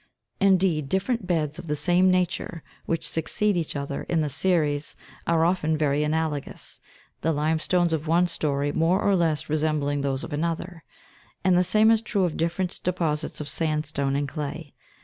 Indeed, different beds of the same nature which succeed each other in the series, are often very analogous, the limestones of one story more or less resembling those of another ; and the same is true of different deposits of sandstone and clay.